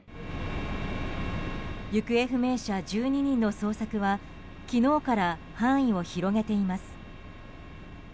行方不明者１２人の捜索は昨日から範囲を広げています。